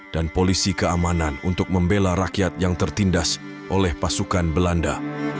dan polisi keamanan untuk membela rakyat yang tertindas oleh pasukan belanda